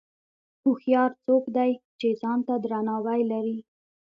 هوښیار څوک دی چې ځان ته درناوی لري.